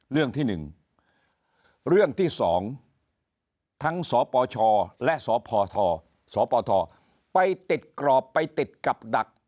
เรื่องที่๑เรื่องที่๒ทั้งสปชและสพสปทไปติดกรอบไปติดกับดัก